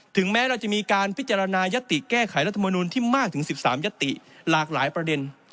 แม้เราจะมีการพิจารณายติแก้ไขรัฐมนุนที่มากถึง๑๓ยติหลากหลายประเด็น